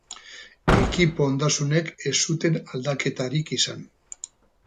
Ekipo ondasunek ez zuten aldaketarik izan.